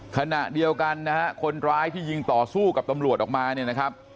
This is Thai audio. ขณะเดียวกันนะฮะคนร้ายที่ยิงต่อสู้กับตำรวจออกมาเนี่ยนะครับ